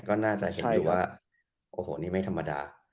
ก็น่าจะเห็นอยู่ว่าโอ้โหนี่ไม่ธรรมดา